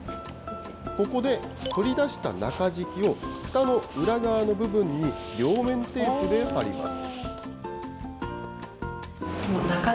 ここで取り出した中敷きをふたの裏側の部分に両面テープで貼ります。